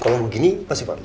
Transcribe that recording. kalau begini pasti malu